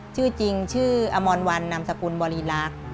ชื่อจริงชื่ออมรวันนามสกุลบริรักษ์